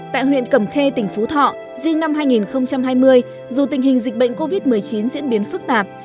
tại huyện cẩm khê tỉnh phú thọ riêng năm hai nghìn hai mươi dù tình hình dịch bệnh covid một mươi chín diễn biến phức tạp